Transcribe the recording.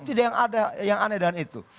tidak ada yang aneh dengan itu